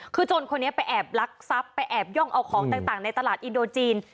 คือโจรคนนี้ไปแอบลักทรัพย์ไปแอบย่องเอาของต่างในตลาดอินโดจีน